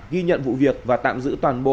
ghi nhận vụ việc và tạm giữ toàn bộ